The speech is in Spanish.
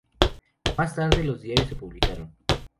Más tarde los diarios se publicaron.